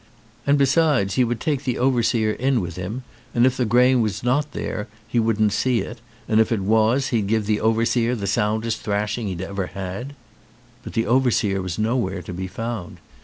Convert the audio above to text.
And besides, he would take the overseer in with him and if the grave was not there he wouldn't see it, and if it was he'd give the overseer the soundest thrashing he*d ever had. But the over seer was nowhere to be found.